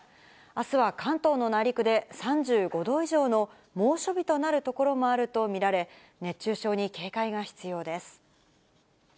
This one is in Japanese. あすは関東の内陸で３５度以上の猛暑日となる所もあると見られ、熱中症に警戒が必要です。